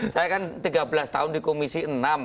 saya kan tiga belas tahun di komisi enam